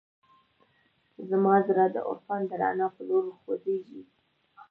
زما زړه د عرفان د رڼا په لور خوځېږي.